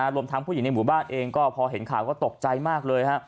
รวมทั้งผู้หญิงในหมู่บ้านเองก็พอเห็นข่าวก็ตกใจมากเลย